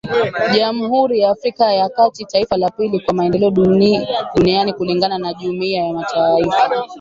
Jamhuri ya Afrika ya kati, taifa la pili kwa maendeleo duni duniani kulingana na Jumuiya ya mataifa.